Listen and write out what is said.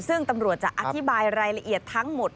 ซึ่งตำรวจจะอธิบายรายละเอียดทั้งหมด